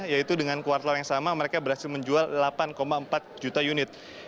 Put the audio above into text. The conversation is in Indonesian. yaitu dengan kuartal yang sama mereka berhasil menjual delapan empat juta unit